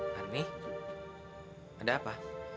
marni ada apa